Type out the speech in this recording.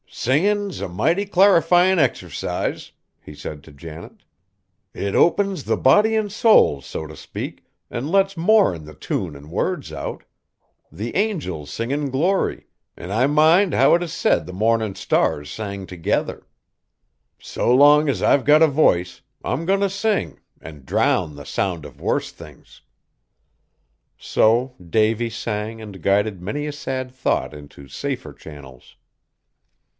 "Singin' 's a might clarifyin' exercise," he said to Janet; "it opens the body an' soul, so t' speak, an' lets more'n the tune an' words out. The angels sing in glory, an' I mind how 't is said the mornin' stars sang together. So long as I've got a voice, I'm goin' t' sing, an' drown the sound of worse things." So Davy sang and guided many a sad thought into safer channels.